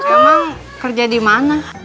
emang kerja di mana